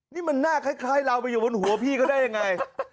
นี่มันหน้าคล้ายเราไปอยู่บนหัวพี่เขาได้ยังไง